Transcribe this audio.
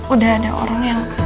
udah ada orang yang